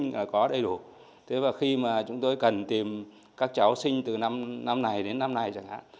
mỗi gia đình có sinh là có đầy đủ thế mà khi mà chúng tôi cần tìm các cháu sinh từ năm này đến năm nay chẳng hạn